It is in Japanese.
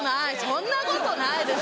そんなことないです。